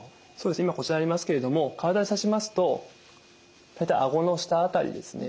今こちらにありますけれども体にさしますと大体あごの下辺りですね。